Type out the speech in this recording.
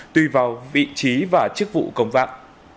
tùy vào vị trí và chức vụ công vạn